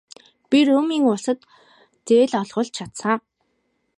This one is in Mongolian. Би Румын улсад зээл олгуулж чадсан.